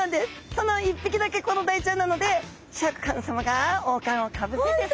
その１匹だけコロダイちゃんなのでシャーク香音さまが王冠をかぶせてさしあげてますね。